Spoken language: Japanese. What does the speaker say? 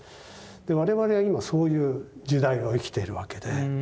で我々は今そういう時代を生きているわけで。